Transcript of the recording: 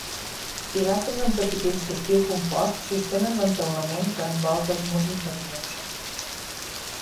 Pilastres amb capitells d'estil compost sostenen l'entaulament que envolta els murs interiors.